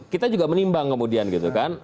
kita juga menimbang kemudian gitu kan